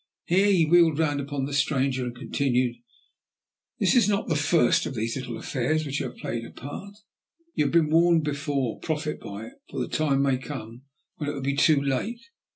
Here he wheeled round upon the stranger, and continued: "This is not the first of these little affairs in which you have played a part. You have been warned before, profit by it, for the time may come when it will be too late.